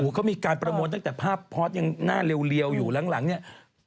เขามีการประมวลตั้งแต่ภาพพอร์ตยังหน้าเรียวอยู่หลังเนี่ย